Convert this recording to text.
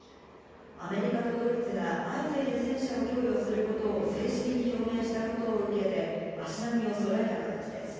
アメリカとドイツが相次いで戦車を供与することを正式に表明したことを受けて、足並みをそろえた形です。